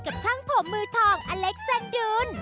กับช่างผมมือทองอเล็กซันดูล